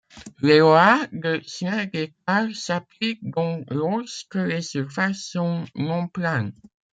Les lois de Snell-Descartes s'appliquent donc lorsque les surfaces sont non-planes.